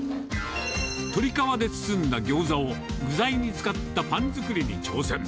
鶏皮で包んだギョーザを具材に使ったパン作りに挑戦。